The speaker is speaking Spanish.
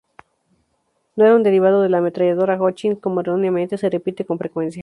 No era un derivado de la ametralladora Hotchkiss, como erróneamente se repite con frecuencia.